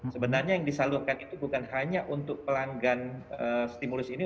sebenarnya yang disalurkan itu bukan hanya untuk pelanggan stimulus ini